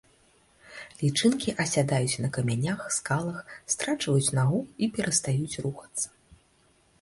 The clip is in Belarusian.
Лічынкі асядаюць на камянях, скалах, страчваюць нагу і перастаюць рухацца.